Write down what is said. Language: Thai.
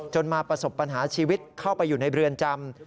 มาประสบปัญหาชีวิตเข้าไปอยู่ในเรือนจำ